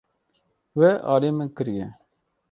We alî min kiriye.